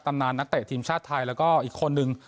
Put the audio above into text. นานนักเตะทีมชาติไทยแล้วก็อีกคนนึง